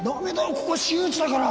ここ私有地だから。